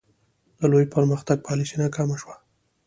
د لوی پرمختګ پالیسي ناکامه شوه.